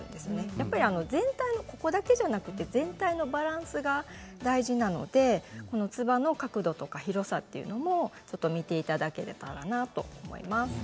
やっぱり全体のバランスが大事なのでつばの角度や広さというのも見ていただけたらなと思います。